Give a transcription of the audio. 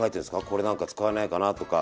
これ何か使えないかなとか？